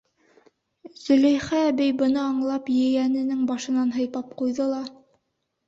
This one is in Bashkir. Зөләйха әбей, быны аңлап, ейәненең башынан һыйпап ҡуйҙы ла: